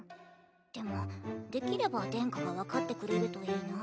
でもできれば殿下が分かってくれるといいな。